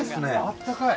あったかい